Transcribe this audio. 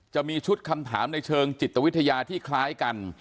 จะมีชุดคำถามในเชิงจิตวิทยาที่คล้ายกัน